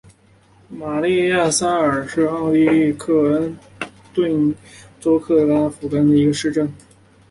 玛丽亚萨尔是奥地利克恩顿州克拉根福兰县的一个市镇。